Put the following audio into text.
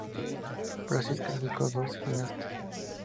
Brazil clasificó dos gimnastas.